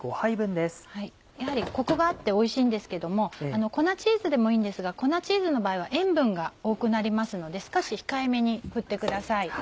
やはりコクがあっておいしいんですけども粉チーズでもいいんですが粉チーズの場合は塩分が多くなりますので少し控えめに振ってください。